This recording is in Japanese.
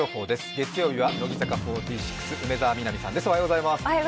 月曜日は乃木坂４６、梅澤美波さんです。